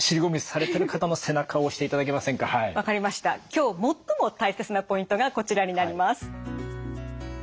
今日最も大切なポイントがこちらになります。